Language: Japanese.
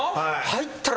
入ったら。